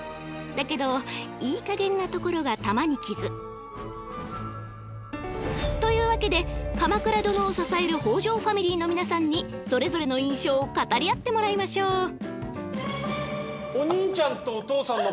だけどいいかげんなところが玉にきず。というわけで鎌倉殿を支える北条ファミリーの皆さんにそれぞれの印象を語り合ってもらいましょう。